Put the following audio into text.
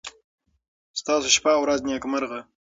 ستاسو شپه او ورځ نېکمرغه.